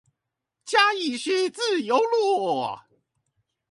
嘉義市自由路